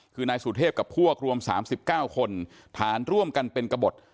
คือนายสุเทพกับพวกรวม๓๙คนฐานร่วมกันเป็นกระบด